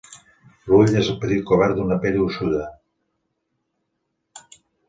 L'ull és petit cobert d'una pell gruixuda.